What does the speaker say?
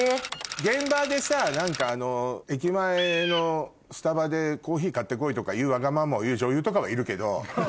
現場でさ何かあの駅前のスタバでコーヒー買って来いとか言うわがままを言う女優とかはいるけど。